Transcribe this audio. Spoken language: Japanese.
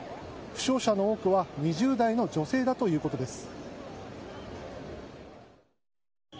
負傷者の多くは２０代の女性だということです。